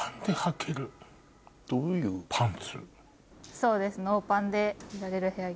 そうです。